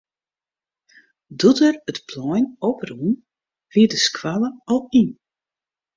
Doe't er it plein op rûn, wie de skoalle al yn.